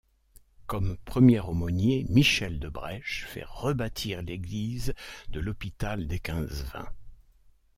Comme premier aumônier, Michel de Brêche fait rebâtir l'église de l'hôpital des Quinze-Vingts.